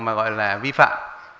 mà gọi là vi phạm